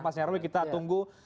pas nyarui kita tunggu